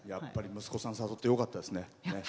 息子さん誘ってよかったですね。